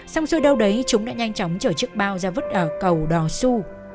xong rồi đâu đấy chúng đã nhanh chóng chở chiếc bao ra vứt ở cầu đò su